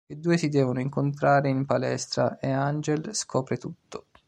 I due si devono incontrare in palestra e Ángel scopre tutto.